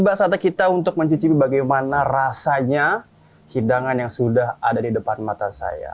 tiba saatnya kita untuk mencicipi bagaimana rasanya hidangan yang sudah ada di depan mata saya